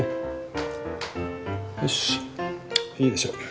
よしいいでしょう。